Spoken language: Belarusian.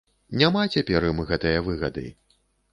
Няма цяпер ім гэтае выгады.